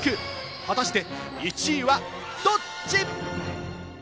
果たして１位はどっち？